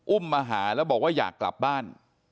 มาหาแล้วบอกว่าอยากกลับบ้าน